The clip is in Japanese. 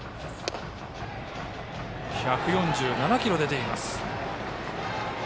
１４７キロ出ています。